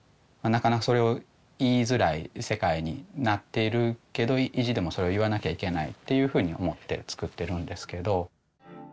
なかなかそれを言いづらい世界になっているけど意地でもそれを言わなきゃいけないっていうふうに思って作ってるんですけど。